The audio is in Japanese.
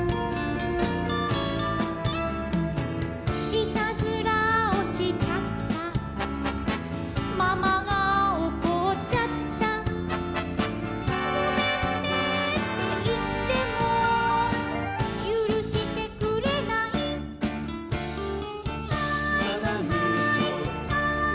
「いたずらをしちゃったママがおこっちゃった」「ごめんねっていってもゆるしてくれない」「アイアイアイ」「」